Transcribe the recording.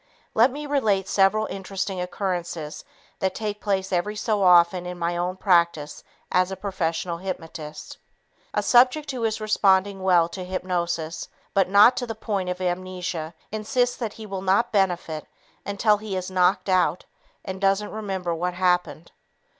Let me relate several interesting occurrences that take place every so often in my own practice as a professional hypnotist. A subject who is responding well to hypnosis, but not to the point of amnesia, insists that he will not benefit until he is "knocked out" and doesn't remember what happened.